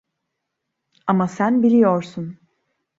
Ama sen biliyorsun.